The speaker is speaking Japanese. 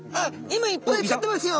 今いっぱい映ってますよ！